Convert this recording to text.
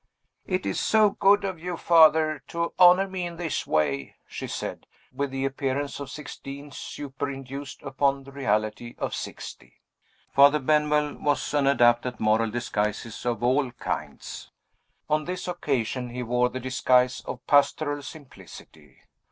"It is so good of you, Father, to honor me in this way," she said with the appearance of sixteen super induced upon the reality of sixty. Father Benwell was an adept at moral disguises of all kinds. On this occasion he wore the disguise of pastoral simplicity.